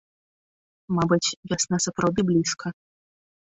Мабыць, вясна сапраўды блізка.